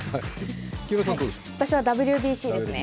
私はＷＢＣですね。